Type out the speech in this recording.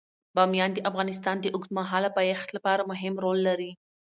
بامیان د افغانستان د اوږدمهاله پایښت لپاره مهم رول لري.